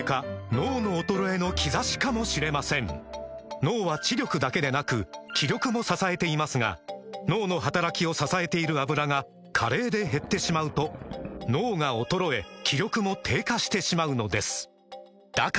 脳の衰えの兆しかもしれません脳は知力だけでなく気力も支えていますが脳の働きを支えている「アブラ」が加齢で減ってしまうと脳が衰え気力も低下してしまうのですだから！